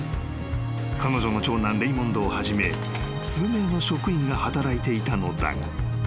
［彼女の長男レイモンドをはじめ数名の職員が働いていたのだが］